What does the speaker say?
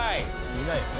煮ないよね？